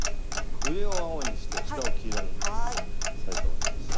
上を青にして下を黄色にしたいと思います。